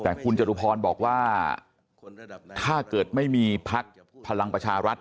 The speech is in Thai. แต่คุณจตุพรบอกว่าถ้าเกิดไม่มีพักพลังประชารัฐ